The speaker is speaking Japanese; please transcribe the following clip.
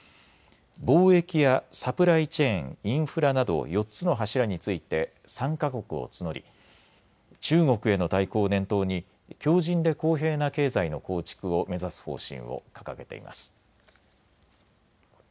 貿易やサプライチェーン、インフラなど４つの柱について参加国を募り中国への対抗を念頭に強じんで公平な経済の構築を目指す方針を掲げています。